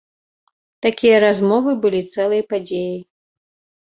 Такія размовы былі цэлай падзеяй.